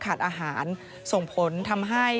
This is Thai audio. อาหารส่งผลทำให้